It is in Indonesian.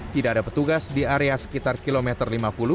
tidak ada petugas di area sekitar kilometer lima puluh